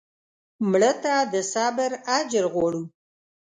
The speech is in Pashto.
مړه ته د صبر اجر غواړو